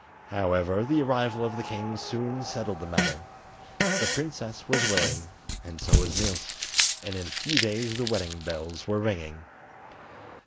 However, the arrival of the king soon settled the matter: the princess was willing and so was Niels, and in a few days the wedding bells were ringing.